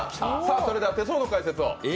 それでは手相の解説を。